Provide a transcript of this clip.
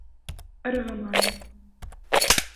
Ырғыманы.